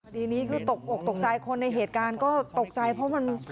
ทีนี้คือตกอกตกใจคนในเหตุการณ์ก็ตกใจเพราะมัน